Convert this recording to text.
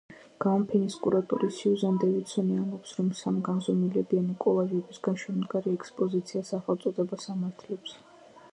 გამოფენის კურატორი სიუზან დევიდსონი ამბობს, რომ სამგანზომილებიანი კოლაჟებისგან შემდგარი ექსპოზიცია სახელწოდებას ამართლებს.